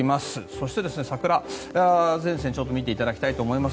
そして、桜前線見ていただきたいと思います。